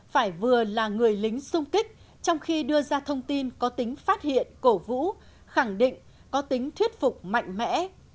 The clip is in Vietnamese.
phải vừa là người lính xung kích trong khi đưa ra thông tin có tính phát hiện cổ vũ khẳng định có tính thuyết phục mạnh mẽ